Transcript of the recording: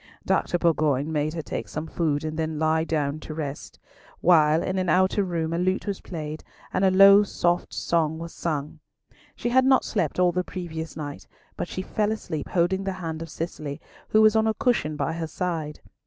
Dr. Bourgoin made her take some food and then lie down to rest, while in an outer room a lute was played and a low soft song was sung. She had not slept all the previous night, but she fell asleep, holding the hand of Cicely, who was on a cushion by her side.